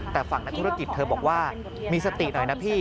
แต่ฝั่งนักธุรกิจเธอบอกว่ามีสติหน่อยนะพี่